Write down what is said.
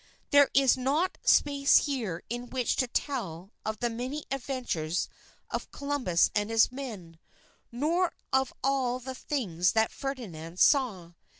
There is not space here in which to tell of the many adventures of Columbus and his men, nor of all the things that Ferdinand saw.